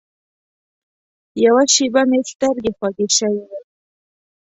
یوه شېبه مې سترګې خوږې شوې وې.